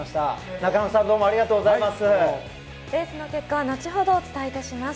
中野さん、どうもありがとうございます。